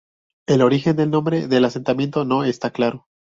El origen del nombre del asentamiento no está claro.